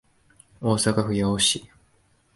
大阪府八尾市